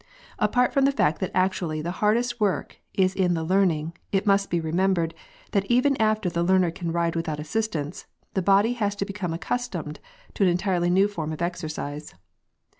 Apart from the fact that actually the hardest work is in the learning, it must be remembered that even after the learner can ride without assistance, the body has to become accustomed to an entirely new form of exercise.